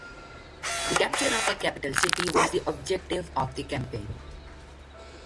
The capture of a capital city was the objective of the campaign.